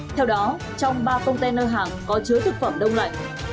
theo đó trong ba container hàng có chứa thực phẩm đông lạnh